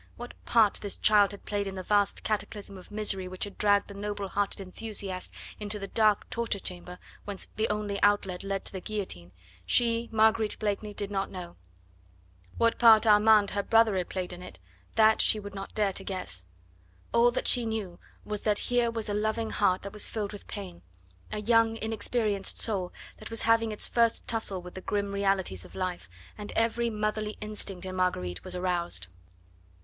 What part this child had played in the vast cataclysm of misery which had dragged a noble hearted enthusiast into the dark torture chamber, whence the only outlet led to the guillotine, she Marguerite Blakeney did not know; what part Armand, her brother, had played in it, that she would not dare to guess; all that she knew was that here was a loving heart that was filled with pain a young, inexperienced soul that was having its first tussle with the grim realities of life and every motherly instinct in Marguerite was aroused.